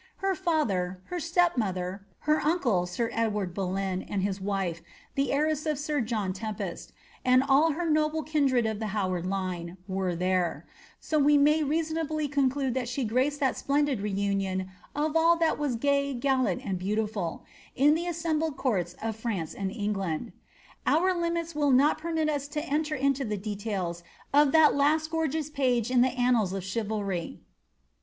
Her lather, her step her uncle, sir Edward Boleyn, and his wife, the heiress of s Tempest, and all her noble kindred of the Howard line, were th that we may reasonably conclude that she graced that splendid of all that was gay, gallant, and beautiful, in the assembled cc France and England. Our limits will not permit us to enter i details of that last gorgeous page in the antuds of chivalry.